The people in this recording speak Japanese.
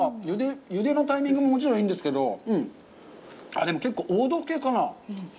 ゆでのタイミングももちろんいいんですけど、でも結構、王道系かな。